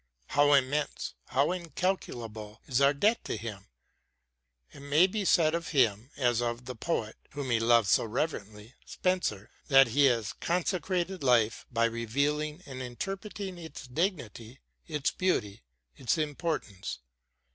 How immense, how incalculable is our debt to him ! It may be said of him as of the poet whom he loved so reverently, Spenser, that he has consecrated life by revealing and interpret ing its dignity, its beauty, its importance.